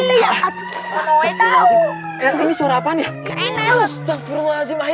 ini suara apa nih